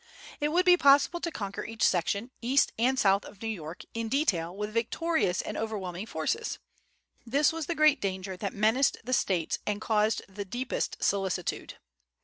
It would be possible to conquer each section, east and south of New York, in detail, with victorious and overwhelming forces. This was the great danger that menaced the States and caused the deepest solicitude.